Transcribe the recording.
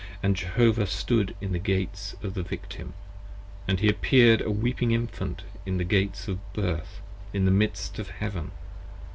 And Jehovah stood in the Gates of the Victim, & he appeared A weeping Infant in the Gates of Birth in the midst of Heaven.